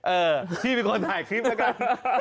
เออที่มีคนถ่ายคลิปด้วยกัน